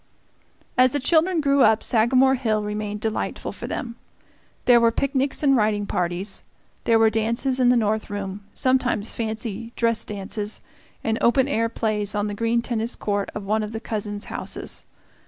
As the children grew up, Sagamore Hill remained delightful for them. There were picnics and riding parties, there were dances in the north room sometimes fancy dress dances and open air plays on the green tennis court of one of the cousin's houses.